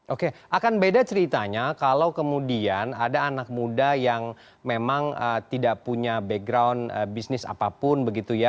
oke akan beda ceritanya kalau kemudian ada anak muda yang memang tidak punya background bisnis apapun begitu ya